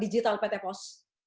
digital pt pos